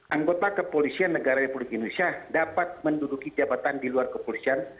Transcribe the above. anggota kepolisian negara republik indonesia dapat menduduki jabatan di luar kepolisian